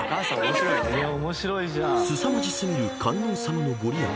［すさまじ過ぎる観音様の御利益］